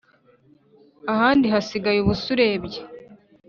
ahandi hasigaye ubusa urebye